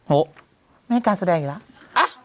ไม่ให้การแสดงอีกแล้ว